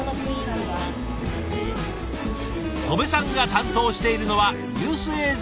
戸部さんが担当しているのはニュース映像の編集。